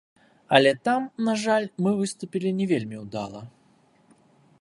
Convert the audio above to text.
Але там, на жаль, мы выступілі не вельмі ўдала.